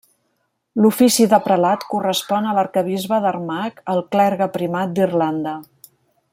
L'ofici de Prelat correspon a l'Arquebisbe d'Armagh, el clergue primat d'Irlanda.